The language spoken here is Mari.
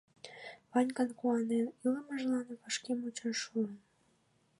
Ванькан куанен илымыжлан вашке мучаш шуын.